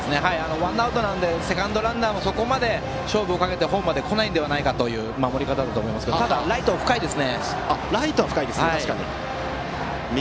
ワンアウトなのでセカンドランナーも、そこまで勝負をかけてホームまで来ないのではないかという守り方だと思いますがライトは深いですね。